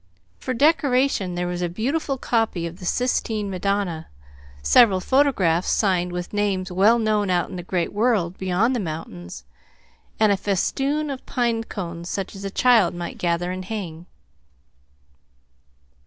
For decoration there were a beautiful copy of the Sistine Madonna, several photographs signed with names well known out in the great world beyond the mountains, and a festoon of pine cones such as a child might gather and hang.